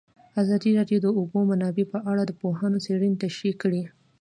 ازادي راډیو د د اوبو منابع په اړه د پوهانو څېړنې تشریح کړې.